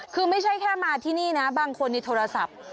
คือไม่ใช่แค่มาที่นี่นะบางคนในโทรศัพท์